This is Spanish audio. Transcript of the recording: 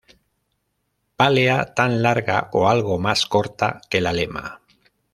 Pálea tan larga o algo más corta que la lema.